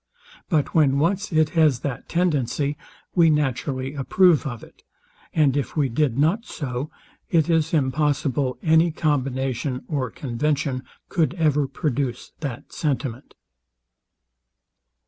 But when once it has that tendency, we naturally approve of it; and if we did not so, it is impossible any combination or convention could ever produce that sentiment.